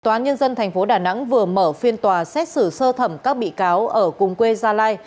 tòa án nhân dân tp đà nẵng vừa mở phiên tòa xét xử sơ thẩm các bị cáo ở cùng quê gia lai